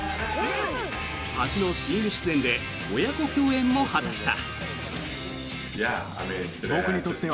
初のＣＭ出演で親子共演も果たした。